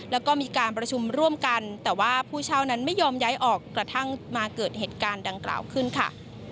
แล้วก็มีการประชุมร่วมกันแต่ว่าผู้เช่านั้นไม่ยอมย้ายออกกระทั่งมาเกิดเหตุการณ์ดังกล่าวขึ้นค่ะ